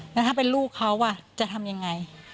แล้วถ้าเป็นลูกเขาจะทำยังไง